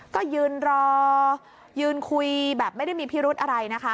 ก็ยืนรอยืนคุยแบบไม่ได้มีพิรุธอะไรนะคะ